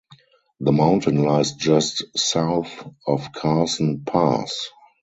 The mountain lies just south of Carson Pass.